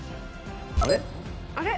あれ？